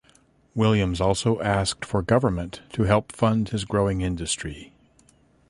Williams also asked for government to help fund his growing industry.